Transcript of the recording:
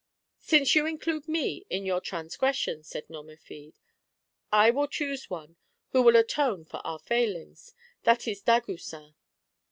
" Since you include me in your transgression," said Nomerfide, " I will choose one who will atone for our failings, that is Dagoucin.